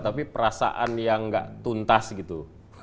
tapi perasaan yang nggak tuntas gitu